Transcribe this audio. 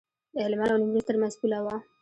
د هلمند او نیمروز ترمنځ پوله وه.